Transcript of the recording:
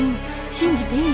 信じていい？